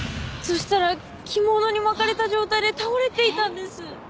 そしたら着物に巻かれた状態で倒れていたんです。